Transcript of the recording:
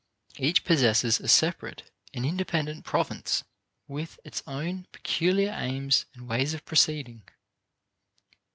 Each possesses a separate and independent province with its own peculiar aims and ways of proceeding.